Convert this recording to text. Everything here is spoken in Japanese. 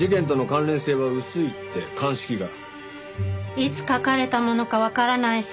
いつ書かれたものかわからないし